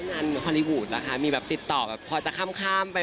ทำงานฮอลลี่วูดล่ะคะมีติดต่อพอจะข้ามไป